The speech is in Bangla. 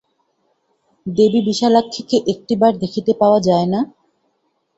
দেবী বিশালাক্ষীকে একটিবার দেখিতে পাওয়া যায় না?